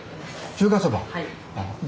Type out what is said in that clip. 中華そば。